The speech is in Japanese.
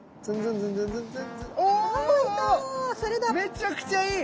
めちゃくちゃいい！